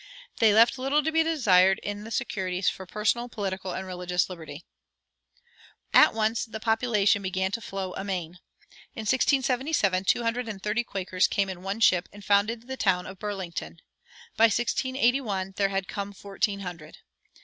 They left little to be desired in securities for personal, political, and religious liberty.[111:1] At once population began to flow amain. In 1677 two hundred and thirty Quakers came in one ship and founded the town of Burlington. By 1681 there had come fourteen hundred.